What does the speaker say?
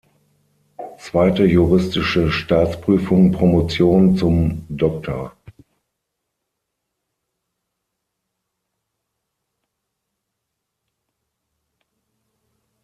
Zweite Juristische Staatsprüfung, Promotion zum Dr.